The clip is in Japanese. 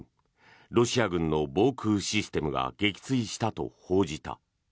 ロシア軍の防空システムが撃墜したと報じた。